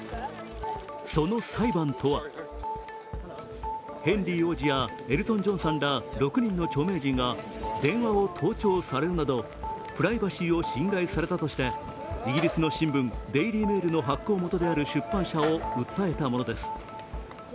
その裁判とはヘンリー王子やエルトン・ジョンさんら６人の著名人が電話を盗聴されるなどプライバシーを侵害されたとしてイギリスの新聞「デイリー・メール」の発行元である出版社を訴えたものです。